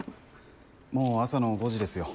もう朝の５時ですよ。